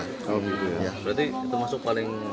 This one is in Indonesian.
berarti termasuk paling